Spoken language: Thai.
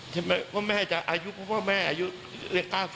ใช่ไหมเพราะแม่จะอายุเพราะว่าแม่อายุ๙๐